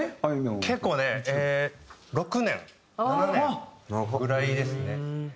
結構ね６年７年ぐらいですね。